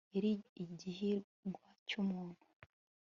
yari igihingwa cyumuntu